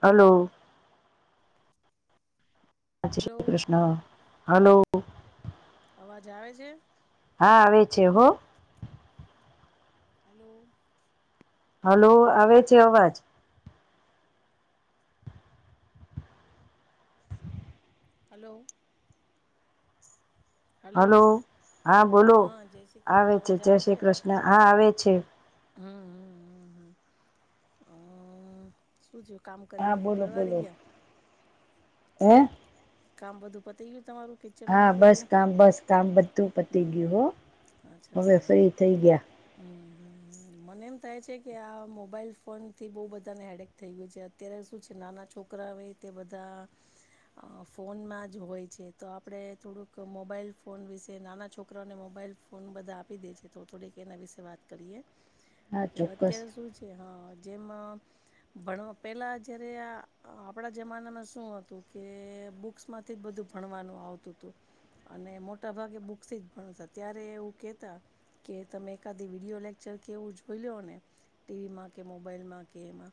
Hello. હા hello Shri Krishna hello. અવાજ આવે છે? હા આવે છે હો. હલો. હલો આવે છે અવાજ. હલો. હલો. હા બોલો હા જય શ્રી આવે કૃષ્ણ છે અવાજ જય શ્રી કૃષ્ણ હા આવે છે. હમ હમ હમ હમ અ શું થીયુ કામ કરીને હા બધું બોલો પરવારી બોલો ગયા હે હે કામ બધું પતી ગયું. તમારું કિચનનું હા ને બસ બધું કામ બસ કામ બધું પતી હમ ગયું હો. હવે ફ્રી થઈ ગયા. હમમ મને એમ થાય છે કે આ મોબાઈલ ફોન થી બો બધાને હેડક થઈ ગયું છે અત્યારે શું છે નાના છોકરા હોય તે બધા અ ફોનમાં જ હોય છે તો આપણે થોડુંક મોબાઈલ ફોન વિશે નાના છોકરાને મોબાઈલ ફોન બધા આપી દે છે તો થોડીક એના વિશે વાત કરીએ હા કે ચોક્કસ અત્યારે શું છે. હા જેમાં ભણવા પેલા જયારે આ આપડા જમાનામાં શું હતું કે બુક્સ માંથી બધું ભણવાનું આવતું હતું. અને મોટા ભાગે બુક્સ જ ભણતા ત્યારે એવું કેતા કે તમે એકાધ વિડીયો લેક્ચર એવું જોઈ લીયો ને ટીવીમાં કે મોબાઈલમાં કે એમાં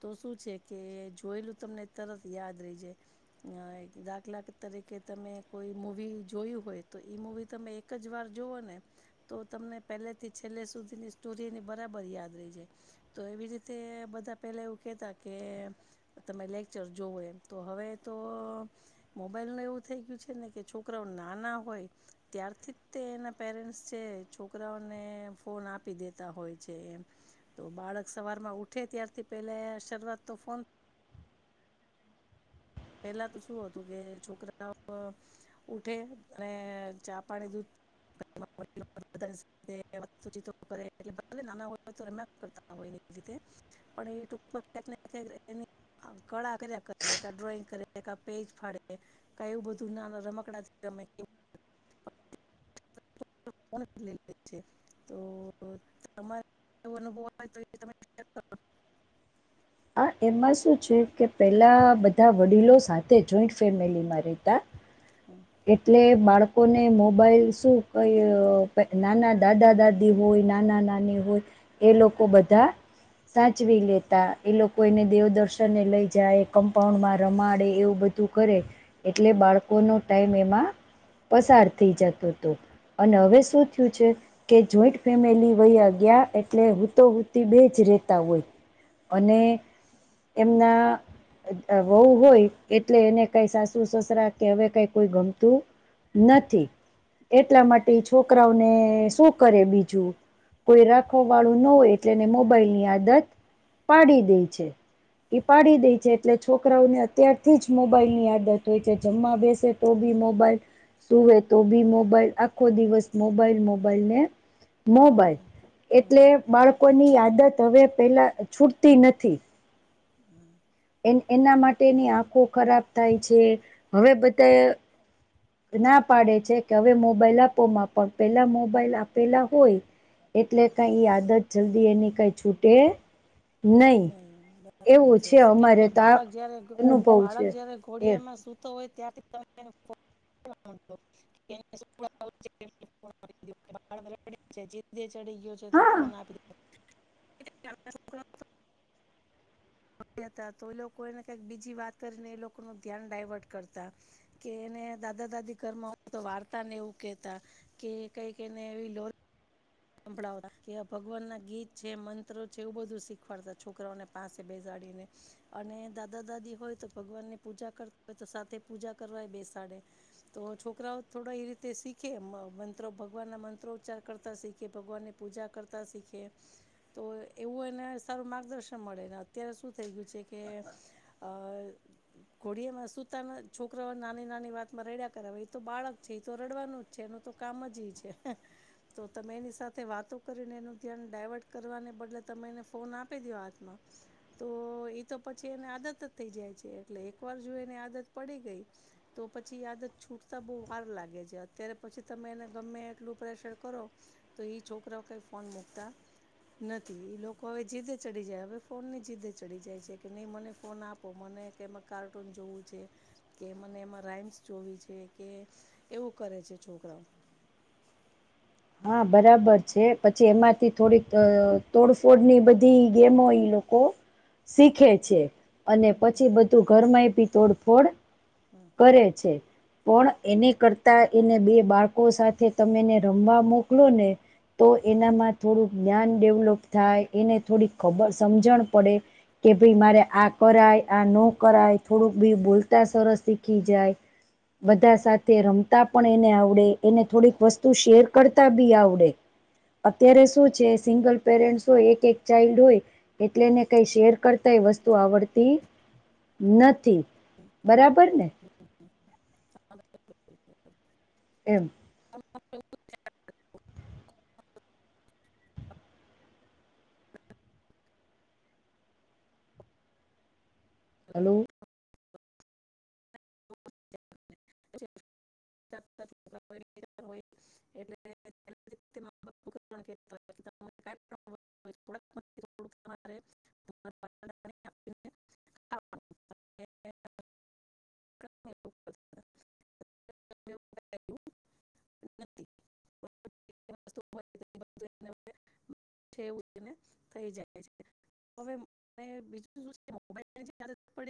તો શું છે કે જોયેલું તમને તરત યાદ રહી જાય અ દાખલા તરીકે તમે કોઈ મૂવી જોયું હોય તો ઈ મુૂવી તમે એક જ વાર જોઓ ને તો તમને પેલે થી છેલ્લે સુધીની સ્ટોરી બરાબર યાદ રહી જાય તો એવી રીતે બધા પેલા એવું કેતા કે તમે લેક્ચર જોવો એમ તો હવે તો મોબાઈલ નું એવું થઈ ગયું છે ને કે છોકરા નાના હોય ત્યારથી તે એના પેરે છોકરાને ફોન આપી દેતા હોય છે એ, તો બાળક સવારમાં ઉ ઠ ત્યારથી પહેલા શરૂઆત તો ફોન પેલા તો શું હતું કે છોકરાઓ ઉઠે અને ચા પાણી દૂધ નાના હો રમ્યા કરતા હોય એ રીતે [unintelligible] પણ એ ટક ક્યાંકને કળા ક કરે ડ્રોઈંગ [unintelligible] પેજ ફાડે, એવું બધું નાના રમકડાથી રમે. તો તમારે [unintelligible] એવો અનુભવ હોય તો એ તમે કરો. હા એમાં શું છે કે પેલા બધા વડીલો સાથે જોઈન્ટ ફેમિલીમાં રહેતા. હ [inaudible] એટલે બાળકોને મોબાઈલ શું ક નાના દાદા દાદી હોય નાના નાની હોય, એ લોકો બધા સાચવી લેતા એ લોકો એને દેવદર્શનને લઈ જાય કમ્પાઉન્ડ માં રમાડે એવું બધું કરે, એટલે બાળકોનો ટાઈમ એમાં પસાર થઈ જતો હતો. અને હવે શું થયું છે, કે જોઈન્ટ ફેમિલી વયા ગયા એટલે હુંતો હુતી બે જ રહેતા હોય, અને એમના વહુ હોય એટલે એને કઈ સાસુ સસરા કે હવે કઈ કોઈ ગમતું નથી. એટલા માટે છોકરાઓને શું કરે બીજું. કોઈ રાખવા વાળું ન હોય એટલે એને મોબાઈલની આદત પાડી દે છે. પાડી દે છે એટલે છોકરાઓને અત્યારથી જ મોબાઈલ ની આદત હોય છે જમવા બેસે તો બી મોબાઈલ, સુવે તો બી મોબાઈલ આખો દિવસ મોબાઈલ મોબાઈલ ને હમ મોબાઈલ, હમ હમ એટલે બાળકોની આદત હવે પેલા છૂટતી નથી. હમ એ એના માટેની આંખો ખરાબ થાય છે, હવે બધા ના પાડે છે કે હવે મોબાઈલ આપોમાં પણ પેલા મોબાઈલ આપેલા હોય. એટલે કઈ આદત જલ્દી એની કઈ છૂટે નહી. એવું છે કેમકે અમારે તો આ બાળક જયારે, અનુભવ બાળક છે જયારે એ ઘોડિયામાં સૂતો હોય ત ત [unintelligible] [unintelligible] ચડી ગયો છે તો હા ફોન આપી દે. તો એ લોકો એને કક બીજી વાત કરીને એ લોકો ન ધ્યાન ડાયવર્ટ કરતા, કે એને દાદા દાદી ઘરમાં તો વાર્તા ને એવું કહેતા, કે કઈક એને એવી લો સંભળાવતા કે ભગવાન ના ગીત છે મંત્રો છે એવું બધું શીખવાડતા છોકરાઓને પાસે બેસાડ. અને દાદા દાદી હોય તો ભગવાન ની પૂજા કર હોય તો સાથે પૂજા કરવાય બેસાડે. તો છોકરાઓ થોડા એ રીતે શીખે મંત્રો ભગવાન ના મંત્રો ઉચ્ચાર કરતા શીખે. ભગવાનની પૂજા કરતા શીખે, તો એવું એને સારું માર્ગદર્શન મળે ને અત્યારે ઘોડી સુતા છોકરોની વા રાતમાં રડયા કરાવ એ તો બાળક છે એ તો રડવાનું જ છે એનું તો કામ જ છે. તમે એની સાથે વાતો કરીને એનું ધ્યાન ડાયવર્ટ કરવાને બદલે તમે એને ફોન આપી દો હાથમાં. તો એતો પછી એને આદત જ થઈ જાય છે એટલે એક વાર જો એને આદત પડી ગઈ. તો પછી આદત છૂટતા બહુ વાર લાગે છે અત્યારે પછી તમે એને ગમે એટલું પ્રેશર કરો. તો એ છોકરા કઈ ફોન મુકતા. નથી, લોકો હવે જીદે ચડી જાય હવે ફોન ની જીદે ચડી જાય છે કે નહી મને ફોન આપો મને કાર્ટૂન જોવું છે, કે મને એમાં રાઈમ્સ જો છે કે એવું કરે. જે છોકરાઓ. હા બરાબર છે પછી એમાંથી થોડીક તોડફોડ ની બધી ગેમો લોકો શીખે છે, અને હમ પછી બધું ઘરમાં ભી તોડફોડ હમ કરે છે, હમ પણ એને કરતા એને બે બાળકો સાથે તમેને ર વા મોકલો ને તો એનામાં થોડુંક જ્ઞાન ડેવલોપ થાય એને થોડીક ખબર સમજણ પડે કે ભઈ મારે આ કરાય આ ન કરાય થોડુંક બી બોલતા સરસ શીખી જાય. બધા સાથે રમતા પણ એને આવડે એને થોડીક વસ્તુ શેર કરતા બી આવડે અત્યારે શું છે સિંગલ પેરેન્ટ્સ હોય એક એક ચાઇલ્ડ હોય, એટલેને કઈ શેર કરતા વસ્તુ આવડતી નથી, બરાબર ને? એમ હલો. [unintelligible] [unintelligible] [unintelligible] છેવું છે ને થઈ જાય છે. હવે બીજ [unintelligible]